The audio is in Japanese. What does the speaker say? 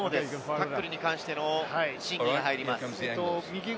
タックルに関しての審議が入ります。